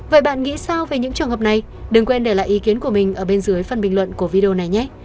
vậy bạn nghĩ sao về những trường hợp này đừng quên để lại ý kiến của mình ở bên dưới phần bình luận của video này nhé